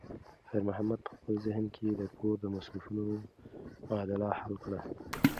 خیر محمد په خپل ذهن کې د کور د مصرفونو معادله حل کړه.